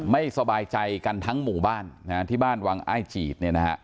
ไม่สบายใจกันทั้งหมู่บ้านที่บ้านวังอ้ายจีด